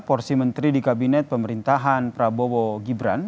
porsi menteri di kabinet pemerintahan prabowo gibran